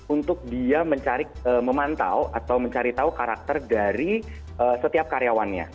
untuk dia mencari memantau atau mencari tahu karakter dari setiap karyawannya